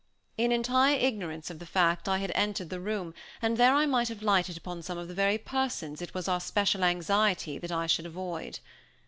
In entire ignorance of the fact I had entered the room, and there I might have lighted upon some of the very persons it was our special anxiety that I should avoid.